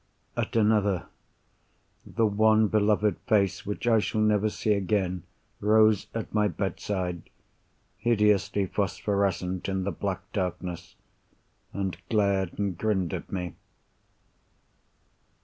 At another, the one beloved face which I shall never see again, rose at my bedside, hideously phosphorescent in the black darkness, and glared and grinned at me.